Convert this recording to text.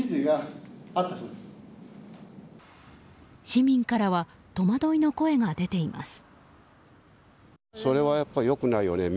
市民からは戸惑いの声が出ています。